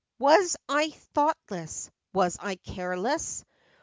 Was I thoughtless? was I careless?